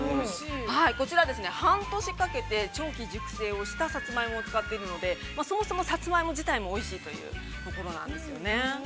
◆こちら、半年かけて、長期熟成をしたさつまいもを使っているので、そもそもさつまいも自体もおいしいというところなんですよね。